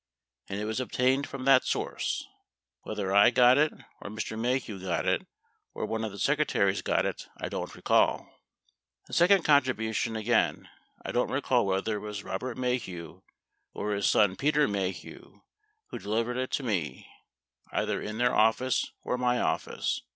And it was obtained from that source. Whether I got it or Mr. Maheu got it or one of the secretaries got it, I don't recall. The second contribution, again, I don't recall whether it was Robert Maheu or his son, Peter Maheu, who delivered it to me, either in their office or my office.